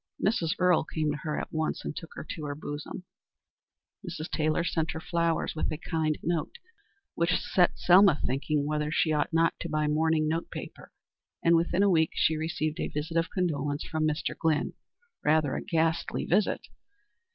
Mrs. Earle came to her at once, and took her to her bosom; Mrs. Taylor sent her flowers with a kind note, which set Selma thinking whether she ought not to buy mourning note paper; and within a week she received a visit of condolence from Mr. Glynn, rather a ghastly visit.